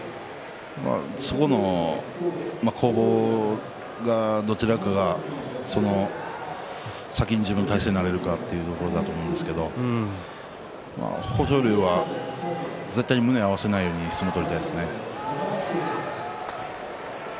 そこの攻防が、どちらかが先に自分の体勢になれるかというところだと思うんですけど豊昇龍は絶対胸を合わせないように相撲を取りたいですね。